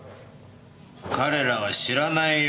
彼らは知らないよ。